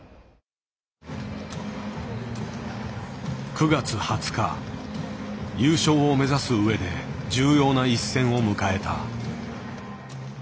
９月２０日優勝を目指す上で重要な一戦を迎えた。